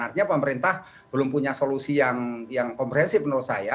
artinya pemerintah belum punya solusi yang komprehensif menurut saya